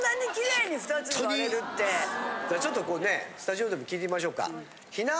ちょっとスタジオでも聞いてみましょうか。